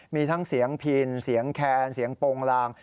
มีทั้งเสียงพินเสียงแคนเสียงโปรงลาง